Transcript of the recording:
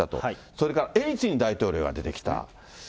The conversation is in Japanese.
それからエリツィン大統領が出てきた。